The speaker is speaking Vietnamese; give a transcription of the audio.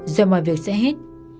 rồi mọi việc sẽ hết